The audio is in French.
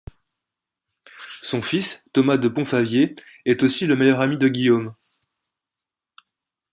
Son fils, Thomas de Pontfavier, est aussi le meilleur ami de Guillaume.